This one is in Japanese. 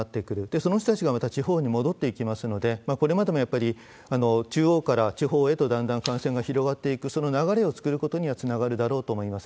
その人たちがまた地方に戻っていきますので、これまでもやっぱり中央から地方へと、だんだん感染が広がっていく、その流れを作ることにはつながるだろうとは思います。